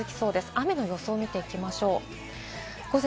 雨の予想を見ていきます。